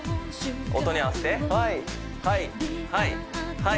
音に合わせてはい